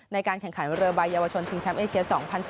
ในการแข่งขันเรือใบเยาวชนชิงแชมป์เอเชีย๒๐๑๘